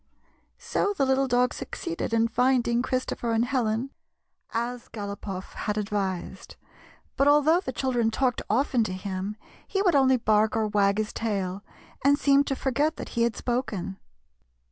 So the little dog succeeded in finding Chris topher and Helen, as Galopoff had advised. But although the children talked often to him, he would only bark or wag his tail, and seemed to forget that he had spoken.